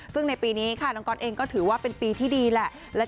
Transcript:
ซึ่งในปีนี้ค่ะน้องก๊อตเองก็ถือว่าเป็นปีที่ดีแหละ